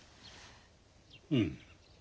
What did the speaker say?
うん。